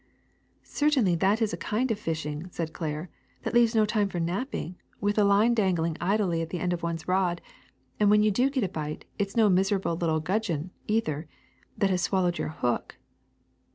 *' Certainly that is a kind of fishing/' said Claire, ^^that leaves no time for napping, with a line dang ling idly at the end of one's rod; and when you do get a bite, it 's no miserable little gudgeon, either, that has swallowed your hook.